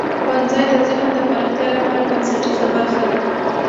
ښوونځی د ذهن د پراختیا لپاره بنسټیزه برخه ده.